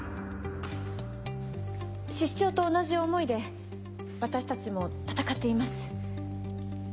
室長と同じ思いで私たちも戦っています。